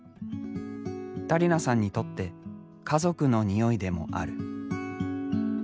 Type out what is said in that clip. ダリナさんにとって家族の匂いでもある。